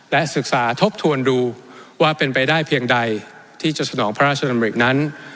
และศึกษาทบทวนดูว่าเป็นไปได้เพียงใดที่จะสนองพระราชดำรินั้น